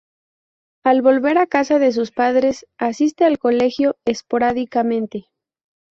Al volver a casa de sus padres, asiste al colegio esporádicamente.